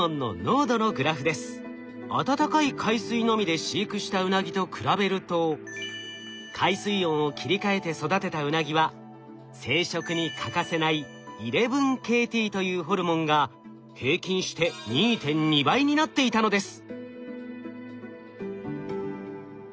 温かい海水のみで飼育したウナギと比べると海水温を切り替えて育てたウナギは生殖に欠かせない１１−ＫＴというホルモンが平均して２．２倍になっていたのです。